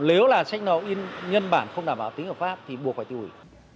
nếu là sách nậu in nhân bản không đảm bảo tính ở pháp thì buộc phải tiêu hủy